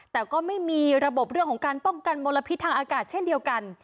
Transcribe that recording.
แต่ก็ไม่มีระบบเรื่องของการป้องกันมลพิษทางอากาศเช่นเดียวกัน